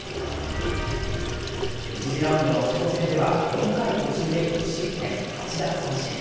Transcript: １次ラウンドのチェコ戦では４回途中で１失点８奪三振。